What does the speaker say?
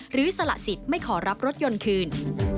สละสิทธิ์ไม่ขอรับรถยนต์คืน